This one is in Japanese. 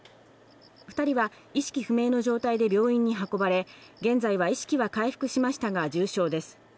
２人は意識不明の状態で病院に運ばれ、現在は、意識は回復しましたが重傷です。